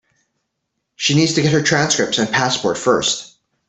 She needs to get her transcripts and passport first.